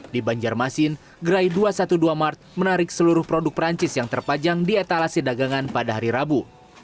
di banjarmasin gerai dua ratus dua belas mart menarik seluruh produk perancis yang terpajang di etalasi dagangan pada hari rabu